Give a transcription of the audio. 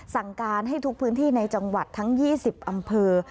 สั่งการให้ทุกพื้นที่ในจังหวัดทั้ง๒๐อำเภอ